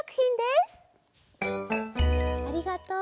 ありがとう。